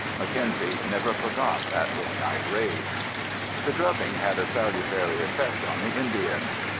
Mackenzie never forgot that midnight raid. This drubbing had a salutary effect on the Indians.